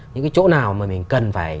những cái chỗ nào mà mình cần phải